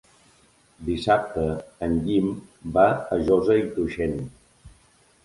Dissabte en Guim va a Josa i Tuixén.